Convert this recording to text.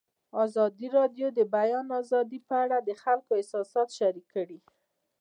ازادي راډیو د د بیان آزادي په اړه د خلکو احساسات شریک کړي.